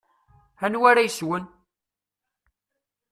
Anwa ara yeswen?